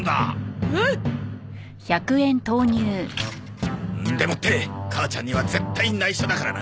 おう！でもって母ちゃんには絶対内緒だからな。